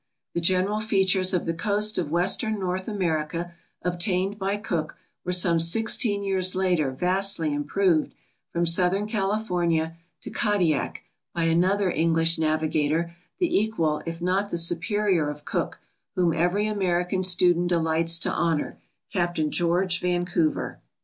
The gen eral features of the coast of western North America obtained bj'' Cook were some 16 years later vastly improved, from southern California to Kadiak, by another English navigator, the equal if not the superior of Cook, whom every American student delights to honor, Capt. George Vancouver.